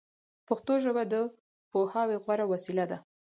پښتو ژبه د پوهاوي غوره وسیله ده